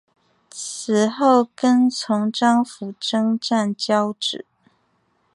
此后跟从张辅征战交址。